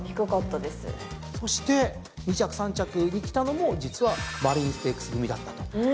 そして２着３着にきたのも実はマリーンステークス組だったと。